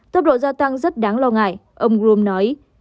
tốc độ gia tăng rất đáng lo ngại ông groum nói